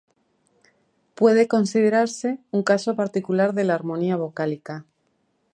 Puede considerarse un caso particular de la armonía vocálica.